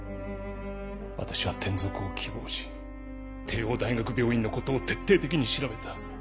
私は転属を希望し帝王大学病院のことを徹底的に調べた。